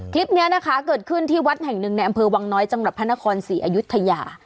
คลิปนี้นะคะเกิดขึ้นที่วัดแห่งหนึ่งในอำเภอวังน้อยจังหวัดพระนครศรีอยุธยา